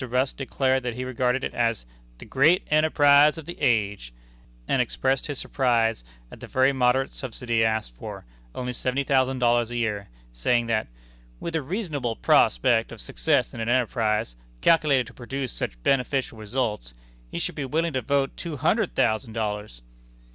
Rusk declared that he regarded it as "the great enterprise of the age," and expressed his surprise at the very moderate subsidy asked for, only seventy thousand dollars a year, saying that, "with a reasonable prospect of success in an enterprise, calculated to produce such beneficial results, he should be willing to vote two hundred thousand dollars."